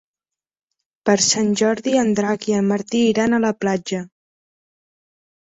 Per Sant Jordi en Drac i en Martí iran a la platja.